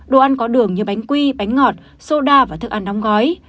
đồ ăn có đường như bánh quy bánh ngọt soda và thức ăn nóng gói